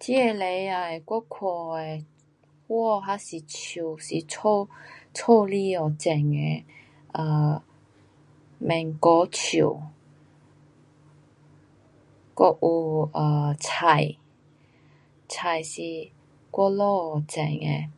这个啊，我看到花还是树，是家，家里下种的，啊，mango 树，还有啊，菜。菜是我老父种的。